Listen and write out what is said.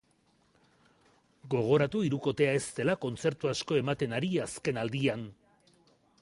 Gogoratu hirukotea ez dela kontzertu asko ematen ari azken aldian.